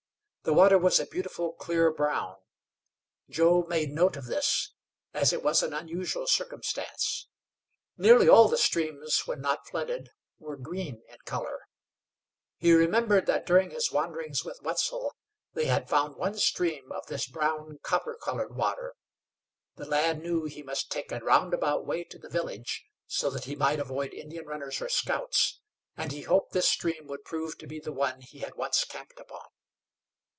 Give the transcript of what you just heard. The water was a beautiful clear brown. Joe made note of this, as it was an unusual circumstance. Nearly all the streams, when not flooded, were green in color. He remembered that during his wanderings with Wetzel they had found one stream of this brown, copper colored water. The lad knew he must take a roundabout way to the village so that he might avoid Indian runners or scouts, and he hoped this stream would prove to be the one he had once camped upon.